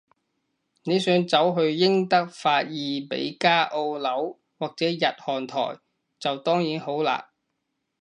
你想走去英德法意美加澳紐，或者日韓台，就當然好難